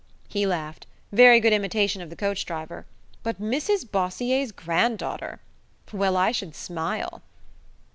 He laughed. "Very good imitation of the coach driver. But Mrs Bossier's grand daughter! Well, I should smile!"